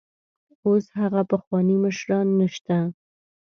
اوس هغه پخواني مشران نشته.